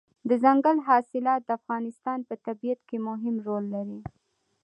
دځنګل حاصلات د افغانستان په طبیعت کې مهم رول لري.